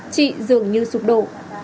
chị dương như sụp đổ